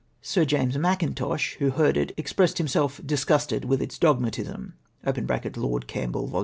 Sk James Mackintosh, who heard it, expressed himself ' disgusted with its dogmatism.' " (Lord Campbell, vol.